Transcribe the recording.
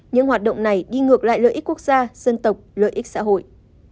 những hoạt động này đi ngược lại lợi ích quốc gia dân tộc lợi ích xã hội